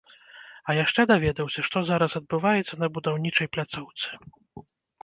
А яшчэ даведаўся, што зараз адбываецца на будаўнічай пляцоўцы.